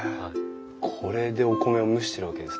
これでお米を蒸してるわけですね。